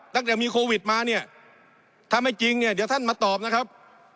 ตั้งแต่มีโควิดมาเนี่ยถ้าไม่จริงเนี่ยเดี๋ยวท่านมาตอบนะครับ